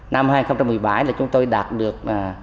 năm hai nghìn một mươi bảy là chúng tôi đạt được